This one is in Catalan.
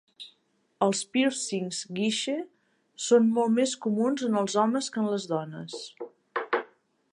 Els pírcings Guiche són molt més comuns en els homes que en les dones.